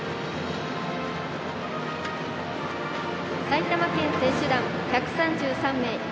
埼玉県選手団、１３３名。